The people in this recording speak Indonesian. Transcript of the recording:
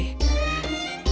dia terlalu keras